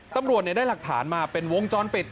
ตำรวจได้หลักฐานมาเป็นวงจรปิด